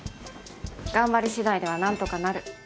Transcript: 頑張りしだいでは何とかなる。